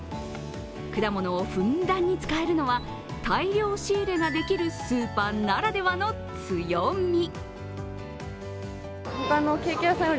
果物をふんだんに使えるのは大量仕入れができるスーパーならではの強み。